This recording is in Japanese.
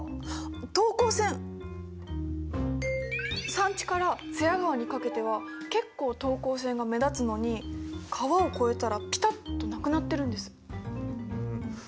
山地から津屋川にかけては結構等高線が目立つのに川を越えたらピタッとなくなってるんです。